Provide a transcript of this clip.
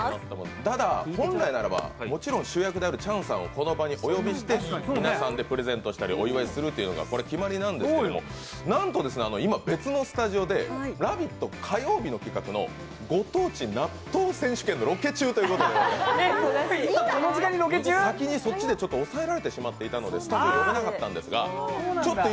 ただ、本来ならばもちろん主役であるチャンさんをこの場にお呼びして皆さんでプレゼントしたりお祝いするというのが決まりなんですけれども、なんと、今、別のスタジオでラヴィット火曜日企画の「ご当地納豆選手権」のロケ中ということで先にそっちで押さえられてしまったので呼べなかったんですけどちょっと